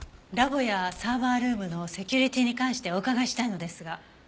ラボやサーバールームのセキュリティーに関してお伺いしたいのですが。